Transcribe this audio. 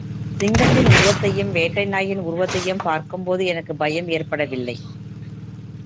சிங்கத்தின் உருவத்தையும், வேட்டை நாயின் உருவத்தையும் பார்க்கும்போது எனக்குப் பயம் ஏற்படவில்லை.